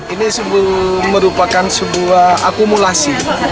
ini merupakan sebuah akumulasi